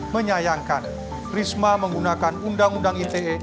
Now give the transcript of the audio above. menyayangkan risma menggunakan undang undang ite